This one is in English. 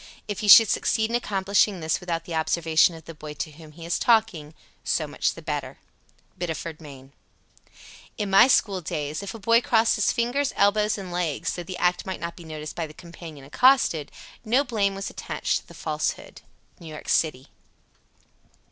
If he should succeed in accomplishing this without the observation of the boy to whom he is talking, so much the better. Biddeford, Me. 69. "In my school days, if a boy crossed his fingers, elbows, and legs, though the act might not be noticed by the companion accosted, no blame was attached to the falsehood." _New York city.